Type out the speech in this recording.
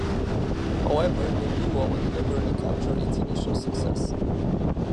However, the duo would never recapture its initial success.